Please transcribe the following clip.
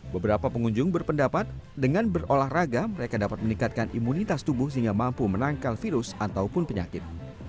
beberapa pengunjung berpendapat dengan berolahraga mereka dapat meningkatkan imunitas tubuh sehingga mampu menangkal virus ataupun penyakit